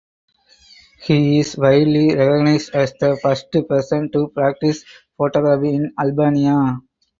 He is widely recognized as the first person to practice photography in Albania.